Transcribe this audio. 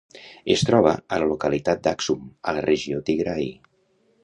Es troba a la localitat d'Axum, a la regió Tigray.